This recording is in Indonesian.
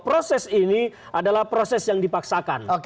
proses ini adalah proses yang dipaksakan